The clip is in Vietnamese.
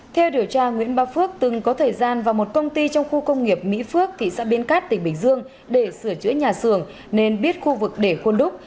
theo điều tra nguyễn ba phước từng có thời gian vào một công ty trong khu công nghiệp mỹ phước thị xã biên cát tỉnh bình dương để sửa chữa nhà xưởng nên biết khu vực để khuôn đúc